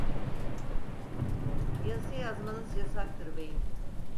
Yazı yazmanız yasaktır beyim!